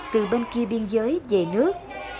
từ bên kia biên giới về nước